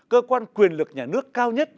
cơ quan quyền lực nhà nước cao nhất